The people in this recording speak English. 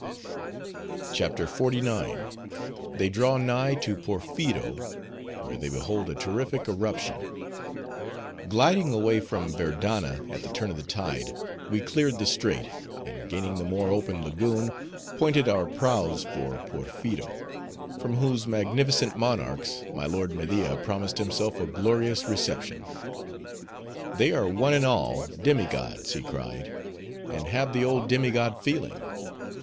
CHAPTER XLIX. They Draw Nigh To Porpheero; Where They Behold A Terrific Eruption Gliding away from Verdanna at the turn of the tide, we cleared the strait, and gaining the more open lagoon, pointed our prows for Porpheero, from whose magnificent monarchs my lord Media promised himself a glorious reception. "They are one and all demi gods," he cried, "and have the old demi god feeling.